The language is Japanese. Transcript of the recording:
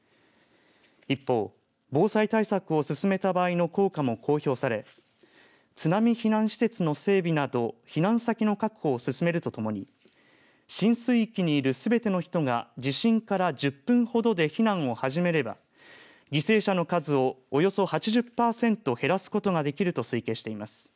一方、防災対策を進めた場合の効果も公表され津波避難施設の整備など避難先の確保を進めるとともに浸水域にいるすべての人が地震から１０分ほどで避難を始めれば犠牲者の数をおよそ８０パーセント減らすことができると推計しています。